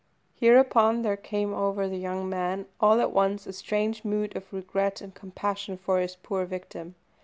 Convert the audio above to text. Hereupon there came over the young man all at once a strange mood of regret and compassion for his poor victim.